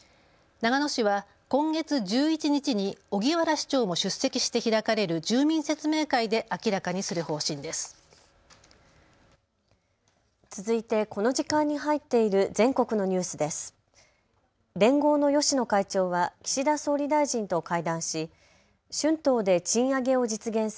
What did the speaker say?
長野市は今月１１日に荻原市長も出席して開かれる住民説明会で明らかにする方針です。